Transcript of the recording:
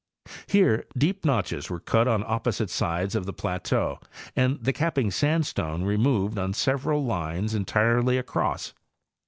Here deep notches were cut on opposite sides of the plateau and the capping sandstone removed on several lines entirely across.